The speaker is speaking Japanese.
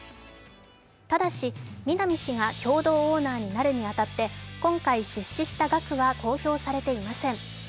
ただし南氏が共同オーナーになるに当たって今回、出資した額は公表されていません。